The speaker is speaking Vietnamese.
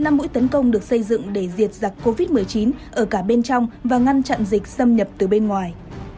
năm mũi tấn công được xây dựng để diệt giặc covid một mươi chín ở cả bên trong và ngăn chặn dịch xâm nhập từ bên ngoài